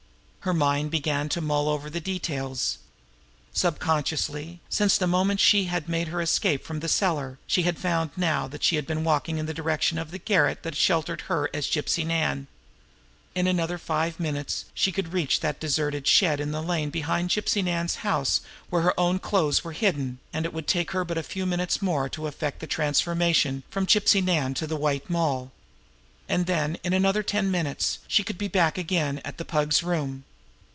Her mind began to mull over the details. Subconsciously, since the moment she had made her escape from that cellar, she found now that she had been walking in the direction of the garret that sheltered her as Gypsy Nan. In another five minutes she could reach that deserted shed in the lane behind Gypsy Nan's house where her own clothes were hidden, and it would take her but a very few minutes more to effect the transformation from Gypsy Nan to the White Moll. And then, in another ten minutes, she should be back again at the Pug's room.